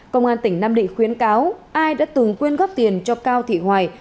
công an tỉnh nam định khuyến cáo ai đã từng quyên góp tiền cho cao thị hoài